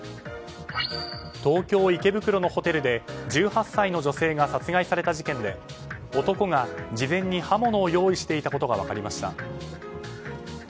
東京・池袋のホテルで１８歳の女性が殺害された事件で男が事前に刃物を用意していたことが分かりました。